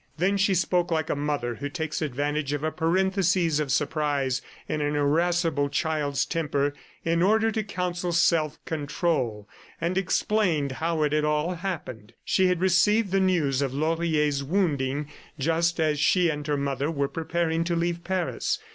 Then she spoke like a mother who takes advantage of a parenthesis of surprise in an irascible child's temper, in order to counsel self control, and explained how it had all happened. She had received the news of Laurier's wounding just as she and her mother were preparing to leave Paris.